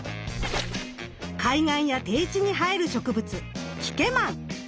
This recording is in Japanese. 海岸や低地に生える植物キケマン。